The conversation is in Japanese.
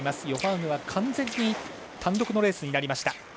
ヨハウグは完全に単独のレースになりました。